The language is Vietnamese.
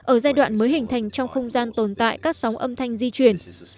ở giai đoạn mới hình thành trong không gian tồn tại các sóng âm thanh di chuyển